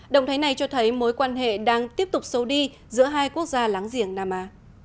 động thái này cho thấy mối quan hệ đang tiếp tục sâu đi giữa hai quốc gia láng giềng nam á